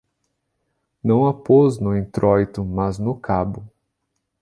não a pôs no intróito, mas no cabo